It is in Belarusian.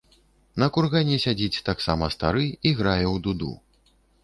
На кургане сядзіць таксама стары і грае ў дуду.